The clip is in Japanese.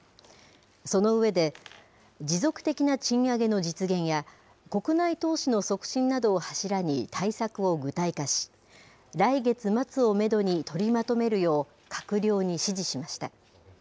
その上で、持続的な賃上げの実現や、国内投資の促進などを柱に対策を具体化し、来月末をメドに取りまとめるよう、閣僚に指示しました。